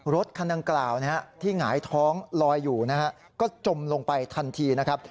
รถคันดังกล่าวที่หงายท้องลอยอยู่นะฮะก็จมลงไปทันทีนะครับ